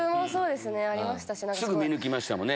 すぐ見抜きましたもんね